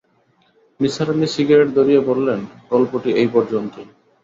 Nisar Ali cigarette ধরিয়ে বললেন, গল্পটি এই পর্যন্তই।